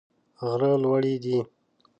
غره لوړي دي.